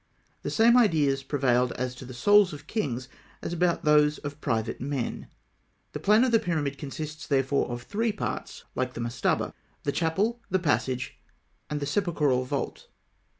The same ideas prevailed as to the souls of kings as about those of private men; the plan of the pyramid consists, therefore, of three parts, like the mastaba, the chapel, the passage, and the sepulchral vault.